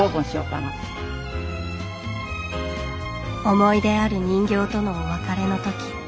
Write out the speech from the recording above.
思い出ある人形とのお別れのとき